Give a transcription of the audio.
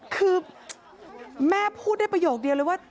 คือแม่พูดได้ประโยคเดียวเลยว่า